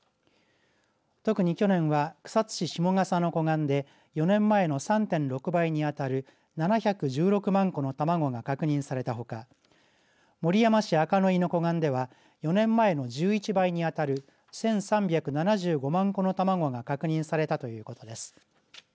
特に去年は草津市下笠の湖岸で４年前の３．６倍に当たる７１６万個の卵が確認されたほか守山市赤野井の湖岸では４年前の１１倍に当たる１３７５万個の卵が確認されたということです。